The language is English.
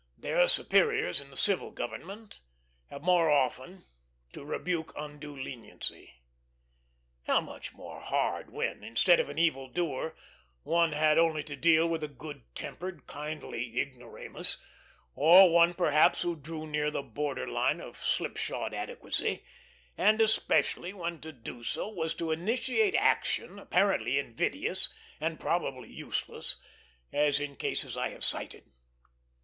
Their superiors in the civil government have more often to rebuke undue leniency. How much more hard when, instead of an evil doer, one had only to deal with a good tempered, kindly ignoramus, or one perhaps who drew near the border line of slipshod adequacy; and especially when to do so was to initiate action, apparently invidious, and probably useless, as in cases I have cited.